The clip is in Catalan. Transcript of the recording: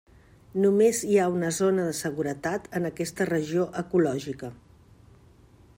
Només hi ha una zona de seguretat en aquesta regió ecològica.